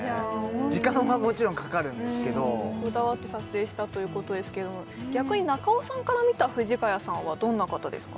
時間はもちろんかかるんですけどこだわって撮影したということですけれども逆に中尾さんから見た藤ヶ谷さんはどんな方ですか？